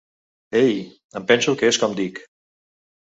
Ei, em penso que és com dic!